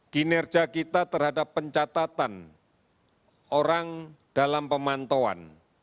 kinerja kita terhadap pencatatan orang dalam pemantauan